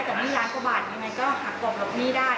อย่างนั้นล้านกว่าบาทยังไงก็หากกบลบโมมี้ได้